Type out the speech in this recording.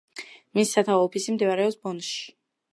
მისი სათაო ოფისი მდებარეობს ბონში.